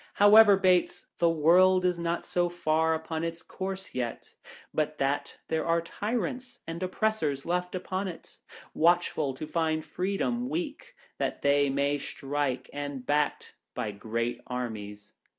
However, Bates, the world is not so far upon its course, yet, but that there are tyrants and oppressors left upon it, watchful to find Freedom weak that they may strike, and backed by great armies.